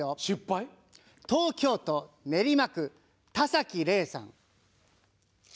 東京都練馬区田崎伶さん。